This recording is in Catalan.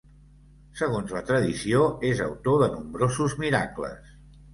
Segons la tradició, és autor de nombrosos miracles.